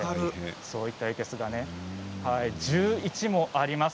そういった生けすが１１もあります。